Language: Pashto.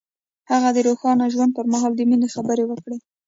هغه د روښانه ژوند پر مهال د مینې خبرې وکړې.